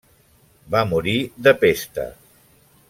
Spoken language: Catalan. Va morir de pesta.